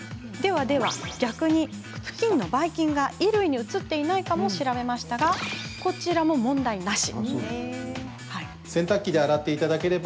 逆に、ふきんのばい菌が衣類に移っていないかも調べましたがこちらも問題なし。